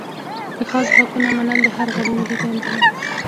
د ښځو حقونه منل د هر غړي ملي دنده ده.